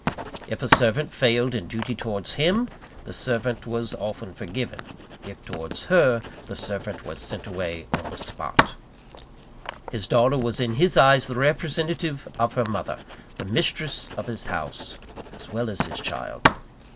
If a servant failed in duty towards him, the servant was often forgiven; if towards her, the servant was sent away on the spot. His daughter was in his eyes the representative of her mother: the mistress of his house, as well as his child.